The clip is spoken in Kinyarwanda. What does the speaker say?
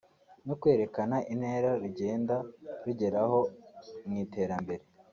no kwerekana intera rugenda rugeraho mu iterambere